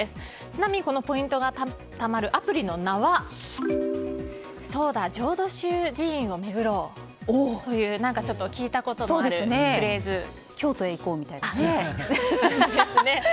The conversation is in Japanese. ちなみに、このポイントがたまるアプリの名はそうだ浄土宗寺院を巡ろうというちょっと聞いたことのあるフレーズですね。